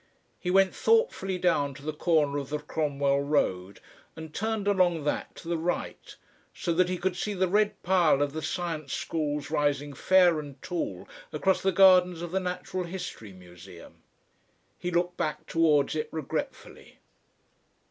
He went thoughtfully down to the corner of the Cromwell Road and turned along that to the right so that he could see the red pile of the Science Schools rising fair, and tall across the gardens of the Natural History Museum. He looked back towards it regretfully.